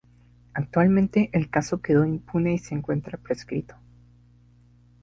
Actualmente el caso quedó impune y se encuentra prescrito.